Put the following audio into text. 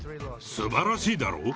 すばらしいだろう？